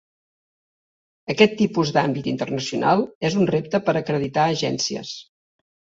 Aquest tipus d'àmbit internacional és un repte per acreditar agències.